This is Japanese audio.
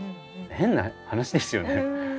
変な話ですよね。